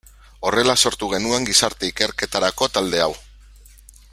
Horrela sortu genuen gizarte ikerketarako talde hau.